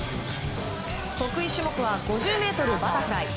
得意種目は５０ｍバタフライ。